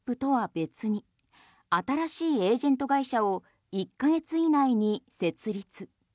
別に新しいエージェント会社を１ヶ月以内に設立。